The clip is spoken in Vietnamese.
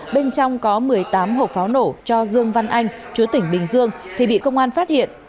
bên trong có một mươi tám hộp pháo nổ cho dương văn anh chú tỉnh bình dương thì bị công an phát hiện